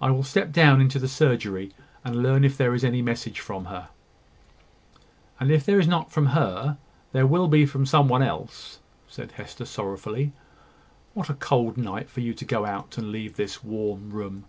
I will step down into the surgery, and learn if there is any message from her." "And if there is not from her, there will be from some one else," said Hester, sorrowfully. "What a cold night for you to go out, and leave this warm room!"